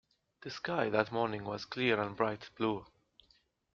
The sky that morning was clear and bright blue.